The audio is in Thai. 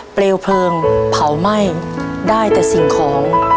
เปลวเพลิงเผาไหม้ได้แต่สิ่งของ